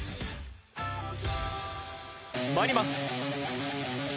参ります。